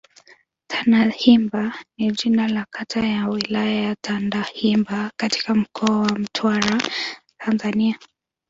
Tandahimba ni jina la kata ya Wilaya ya Tandahimba katika Mkoa wa Mtwara, Tanzania.